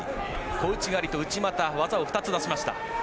小内刈りと内股技を２つ出しました。